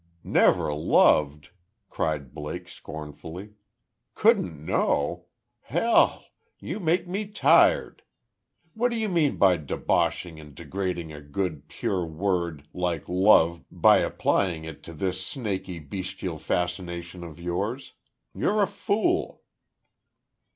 "Never loved!" cried Blake, scornfully. "Couldn't know! Hell! You make me tired! What do you mean by debauching and degrading a good, pure word like love by applying it to this snaky, bestial fascination of yours. You're a fool!"